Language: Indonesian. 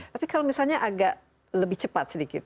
tapi kalau misalnya agak lebih cepat sedikit